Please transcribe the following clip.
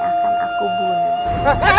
akan aku bunuh